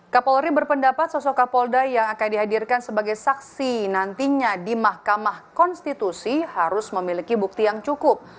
kapolri berpendapat sosok kapolda yang akan dihadirkan sebagai saksi nantinya di mahkamah konstitusi harus memiliki bukti yang cukup